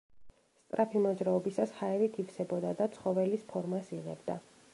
სწრაფი მოძრაობისას ჰაერით ივსებოდა და ცხოველის ფორმას იღებდა.